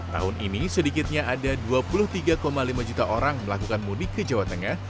tahun ini sedikitnya ada dua puluh tiga lima juta orang melakukan mudik ke jawa tengah